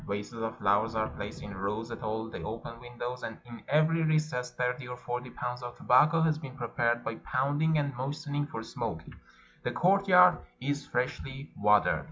Vases of flowers are placed in rows at all the open windows, and in every recess thirty or forty pounds of tobacco have been prepared by pounding and moistening for smoking; the courtyard is freshly wa tered.